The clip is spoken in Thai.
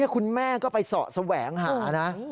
คุณแม่ก็ไปเสาะแสวงหานะ